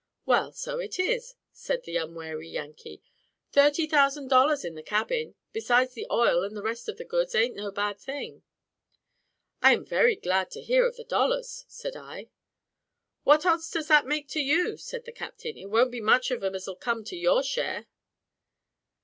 "Well, so it is," said the unwary Yankee. "Thirty thousand dollars in the cabin, besides the oil and the rest of the goods, an't no bad thing." "I am very glad to hear of the dollars," said I. "What odds does that make to you?" said the captain; "it won't be much on 'em as'll come to your share."